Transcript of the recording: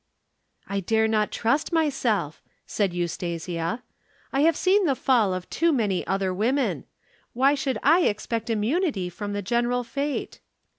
"I dare not trust myself," said Eustasia. "I have seen the fall of too many other women. Why should I expect immunity from the general fate?